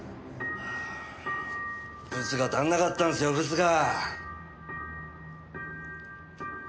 ブツが足んなかったんですよブツが。